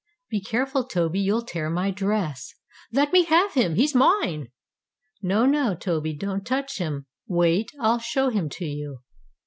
"Be careful, Toby, you'll tear my dress." "Let me have him! He's mine." "No, no, Toby, don't touch him. Wait! I'll show him to you!"